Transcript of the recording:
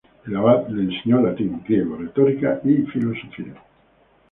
El abad le enseñó latín, griego, retórica y filosofía.